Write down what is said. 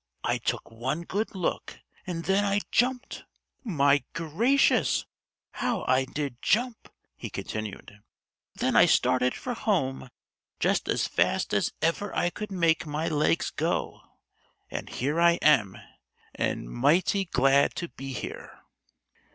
"I took one good look, and then I jumped. My gracious, how I did jump!" he continued. "Then I started for home just as fast as ever I could make my legs go, and here I am, and mighty glad to be here!"